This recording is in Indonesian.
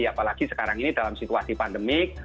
apalagi sekarang ini dalam situasi pandemik